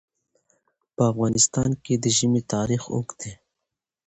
په افغانستان کې د ژمی تاریخ اوږد دی.